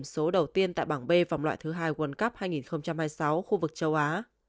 hỏa một một giữ số đầu tiên tại bảng b vòng loại thứ hai world cup hai nghìn hai mươi sáu khu vực châu á